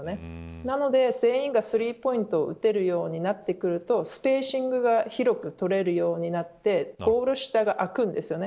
なので、全員がスリーポイントを打てるようになってくるとスペーシングが広く取れるようになってゴール下が空くんですよね。